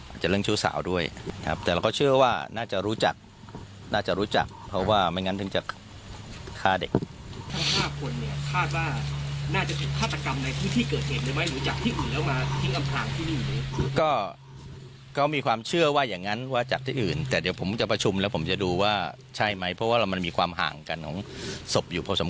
อาจจะเรื่องชู้สาวด้วยครับแต่เราก็เชื่อว่าน่าจะรู้จักน่าจะรู้จักเพราะว่าไม่งั้นถึงจะ